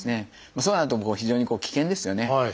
そうなると非常に危険ですよね。